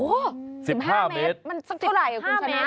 โอ้โห๑๕เมตรมันสักเท่าไหร่คุณชนะ